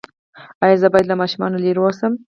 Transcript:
ایا زه باید له ماشومانو لرې اوسم؟